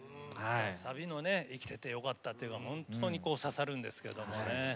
サビの「生きててよかった」というのは本当に刺さるんですけどね。